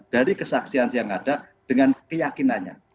dari kesaksian yang ada dengan keyakinannya